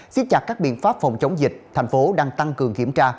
xiết chặt các biện pháp phòng chống dịch thành phố đang tăng cường kiểm tra